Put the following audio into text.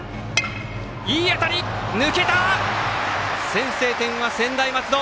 先制点は専大松戸！